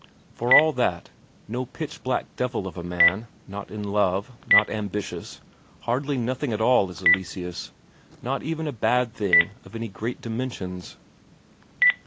For all that, no pitch black devil of a man, not in love, not ambitious, hardly nothing at all is Eleseus, not even a bad thing of any great dimensions.